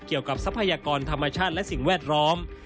เกี่ยวกับทรัพยากรธรรมชาติและสิ่งแวดร้อม